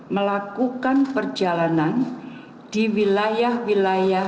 melakukan perjalanan di wilayah wilayah